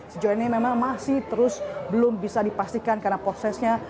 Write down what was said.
sejauh ini memang masih terus belum bisa dipastikan karena prosesnya